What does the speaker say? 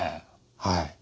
はい。